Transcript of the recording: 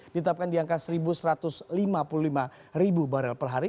ditetapkan di angka satu satu ratus lima puluh lima ribu barrel per hari